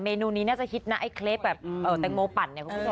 เมนูนี้น่าจะฮิตนะไอ้เคลศแบบแตงโมปั่น